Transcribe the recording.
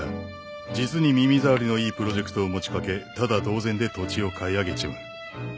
実に耳障りのいいプロジェクトを持ち掛けタダ同然で土地を買い上げちまう。